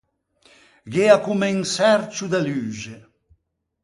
Gh’ea comme un çercio de luxe.